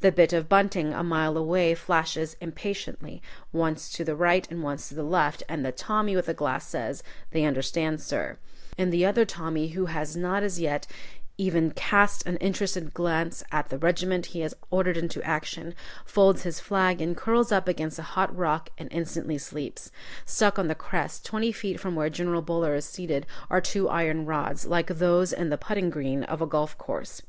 The bit of bunting, a mile away, flashes impatiently, once to the right and once to the left, and the Tommy with the glass says, "They understand, sir," and the other Tommy, who has not as yet cast even an interested glance at the regiment he has ordered into action, folds his flag and curls up against a hot rock and instantly sleeps. Stuck on the crest, twenty feet from where General Buller is seated, are two iron rods, like those in the putting green of a golf course.